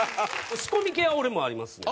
仕込み系は俺もありますね。